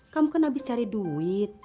kamu kan habis cari duit